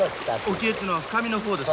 沖へっていうのは深みの方ですね？